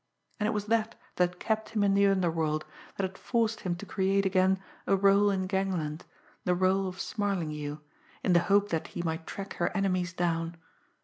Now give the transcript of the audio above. And it was that that kept him in the underworld, that had forced him to create again a rôle in gangland, the rôle of Smarlinghue, in the hope that he might track her enemies down.